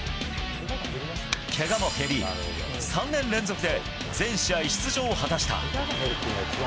けがも減り、３年連続で全試合出場を果たした。